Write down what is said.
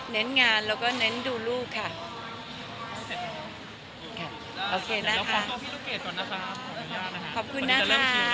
เน้นงานแล้วก็เน้นดูลูกค่ะค่ะโอเคนะคะขอบคุณนะคะ